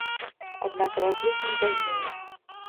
Аднак разлік не загінуў.